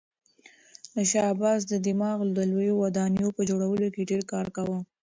د شاه عباس دماغ د لویو ودانیو په جوړولو کې ډېر کار کاوه.